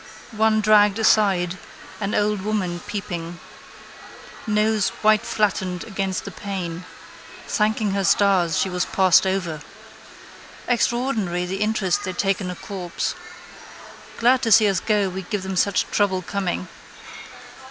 One dragged aside: an old woman peeping. Nose whiteflattened against the pane. Thanking her stars she was passed over. Extraordinary the interest they take in a corpse. Glad to see us go we give them such trouble coming.